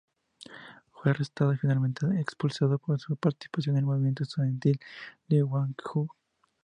Fue arrestado y finalmente expulsado por su participación en el movimiento estudiantil de Gwangju.